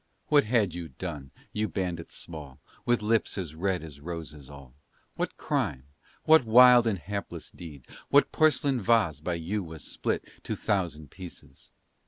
What had you done, you bandits small, With lips as red as roses all? What crime? what wild and hapless deed? What porcelain vase by you was split To thousand pieces?